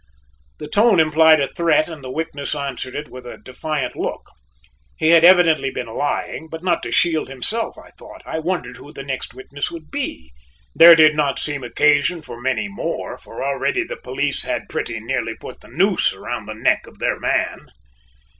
The tone implied a threat and the witness answered it with a defiant look. He had evidently been lying, but not to shield himself, I thought. I wondered who the next witness would be; there did not seem occasion for many more for already the police had pretty nearly put the noose around the neck of their man.